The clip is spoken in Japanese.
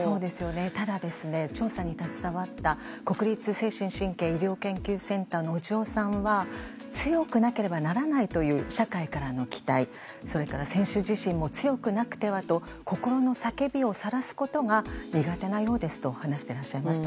ただ、調査に携わった国立精神神経センターの小塩さんは強くなければならないという社会からの期待それから選手自身も強くなくてはと心の叫びをさらすことが苦手なようですと話していました。